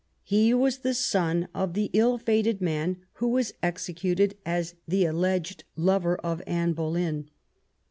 He was the son of the ill fated man who was executed as the alleged lover of Anne Boleyn.